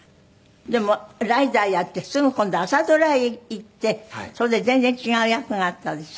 でも『ライダー』やってすぐ今度朝ドラへ行ってそれで全然違う役があったでしょ？